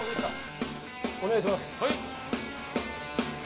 お願いします。